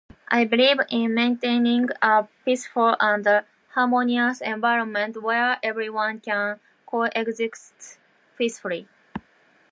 I believe in maintaining a peaceful and harmonious environment, where everyone can coexist peacefully.